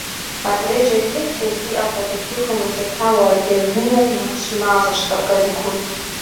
Адрей джэд теплъэ зиӀэ къуалэбзухэм елъытауэ адэжынэр нэхъ щымащӀэщ Кавказыкум.